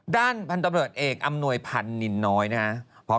ด้านพันธุ์ตำรวจเอกอำนวยพันธ์นินน้อยนะครับ